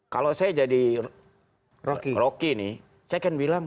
kalau saya jadi rocky nih saya kan bilang